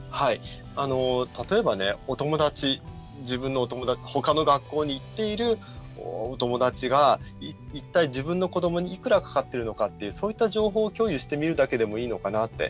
例えばほかの学校に行っているお友達が一体、自分の子どもにいくらかかっているのかっていうそういった情報を共有してみるだけでもいいのかなって。